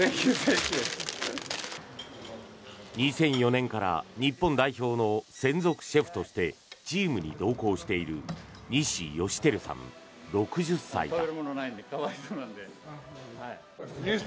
２００４年から日本代表の専属シェフとしてチームに同行している西芳照さん、６０歳だ。